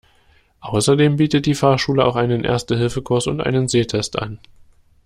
Außerdem bietet die Fahrschule auch einen Erste-Hilfe-Kurs und einen Sehtest an.